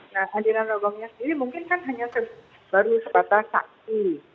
nah hadiran robongnya sendiri mungkin kan hanya baru sebatas saksi